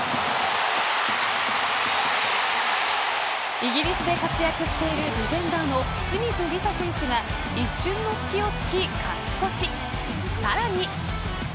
イギリスで活躍しているディフェンダーの清水梨紗選手が一瞬の隙を突き、勝ち越しさらに。